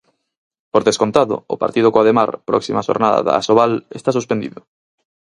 Por descontado, o partido co Ademar, próxima xornada da Asobal, está suspendido.